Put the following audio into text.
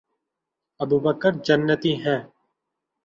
ابوبکر جنتی ہیں